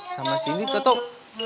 sama cindy tetep